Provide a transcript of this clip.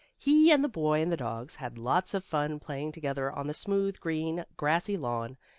He and the boy and the dogs had lots of fun playing together on the smooth, green, grassy lawn.